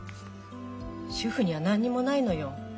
主婦には何にもないのよ。